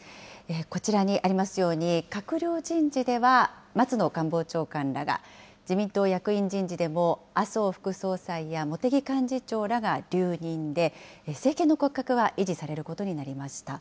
こちらにありますように、閣僚人事では松野官房長官らが、自民党役員人事でも麻生副総裁や茂木幹事長らが留任で、政権の骨格は維持されることになりました。